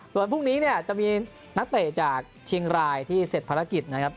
ส่วนวันพรุ่งนี้เนี่ยจะมีนักเตะจากเชียงรายที่เสร็จภารกิจนะครับ